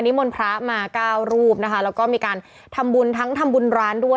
มนต์พระมาเก้ารูปนะคะแล้วก็มีการทำบุญทั้งทำบุญร้านด้วย